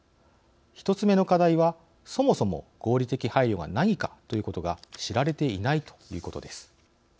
１つ目の課題はそもそも合理的配慮が何かということが知られていないということです。